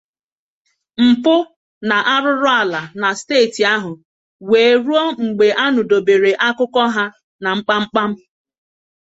mpụ na arụrụala na steeti ahụ wee ruo mgbe a nụdobere akụkọ ha na kpamkpam.